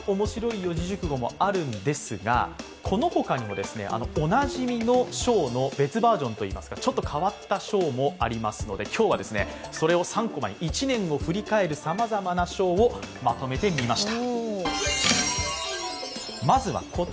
この他にもおなじみの賞の別バージョンというかちょっと変わった賞もありますので今日はそれを「３コマ」に、一年を振り返るさまざまなショウをまとめてみました。